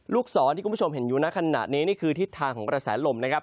ศรที่คุณผู้ชมเห็นอยู่ในขณะนี้นี่คือทิศทางของกระแสลมนะครับ